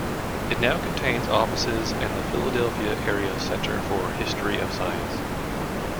It now contains offices and the Philadelphia Area Center for History of Science.